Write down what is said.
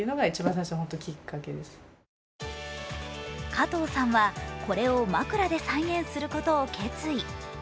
加藤さんはこれを枕で再現することを決意。